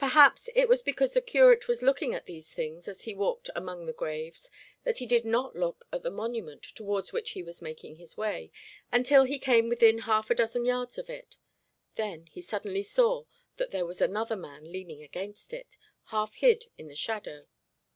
Perhaps it was because the curate was looking at these things, as he walked among the graves, that he did not look at the monument towards which he was making way, until he came within half a dozen yards of it; then he suddenly saw that there was another man leaning against it, half hid in the shadow.